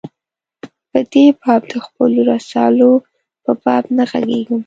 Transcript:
په دې باب د خپلو رسالو په باب نه ږغېږم.